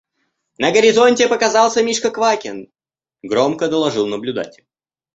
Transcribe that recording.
– На горизонте показался Мишка Квакин! – громко доложил наблюдатель.